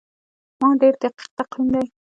دا ډیر دقیق تقویم دی.